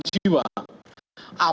jadi kita harus mencari penyelamatan